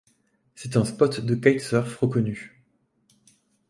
C'est un spot de kitesurf reconnu.